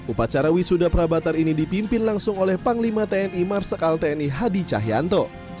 upacara wisuda prabatar ini dipimpin langsung oleh panglima tni marsikal tni hadi cahyanto